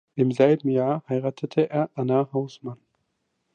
Im selben Jahr heiratete er Anna Hausmann.